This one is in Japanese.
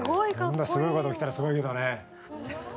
そんなすごい事起きたらすごいけどね。